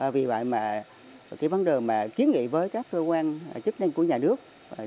vì vậy mà cái vấn đề mà kiến nghị với các cơ quan chức năng của nhà nước